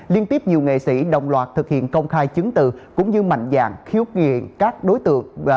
liên tiếp nhiều nghệ sĩ đồng loạt thực hiện công khai chứng từ cũng như mạnh dạng khiếu kiện các đối tượng